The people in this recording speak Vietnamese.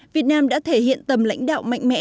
việt nam đã thể hiện tầm lãnh đạo mạnh mẽ